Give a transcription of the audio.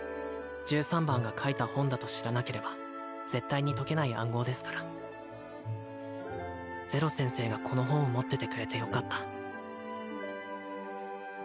十三番が書いた本だと知らなければ絶対に解けない暗号ですからゼロ先生がこの本を持っててくれてよかった